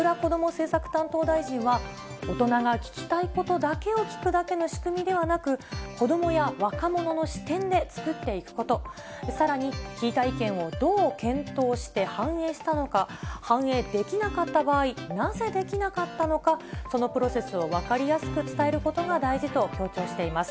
政策担当大臣は、大人が聞きたいことだけを聞くだけの仕組みではなく、子どもや若者の視点で作っていくこと、さらに、聞いた意見をどう検討して反映したのか、反映できなかった場合、なぜできなかったのか、そのプロセスを分かりやすく伝えることが大事と強調しています。